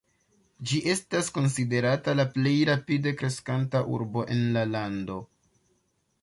Ĝi estas konsiderata la plej rapide kreskanta urbo en la lando.